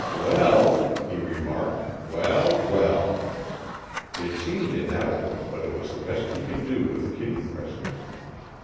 "Well!" he remarked. "Well, well!" It seemed inadequate, but it was the best he could do with Kittie present.